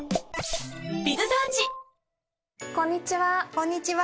こんにちは。